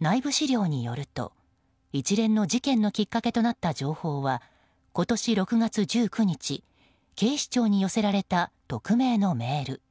内部資料によると、一連の事件のきっかけとなった情報は今年６月１９日警視庁に寄せられた匿名のメール。